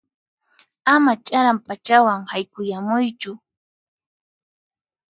Ama ch'aran p'achawan haykuyamuychu.